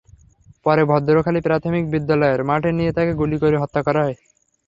পরে ভদ্রখালী প্রাথমিক বিদ্যালয়ের মাঠে নিয়ে তাঁকে গুলি করে হত্যা করে।